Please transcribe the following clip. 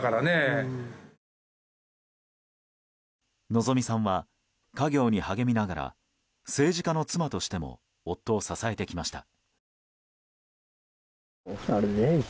希美さんは家業に励みながら政治家の妻としても夫を支えてきました。